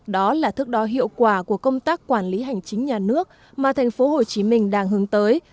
đó là thức đo hiệu quả của công tác quản lý hành chính nhà nước mà tp hcm đang hướng tới